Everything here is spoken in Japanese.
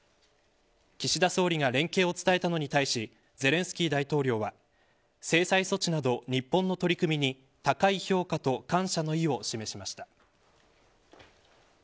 岸田総理が連携を伝えたのに対しゼレンスキー大統領は制裁措置など日本の取り組みに高い評価と感謝の意を示しました。